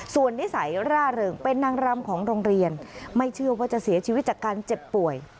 ส่วนนิสัยร่าเริงเป็นนางรำของโรงเรียนไม่เชื่อว่าจะเสียชีวิตจากการเจ็บป่วย